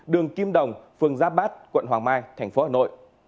hai mươi bốn đường kim đồng phường giáp bát quận hoàng mai tp hà nội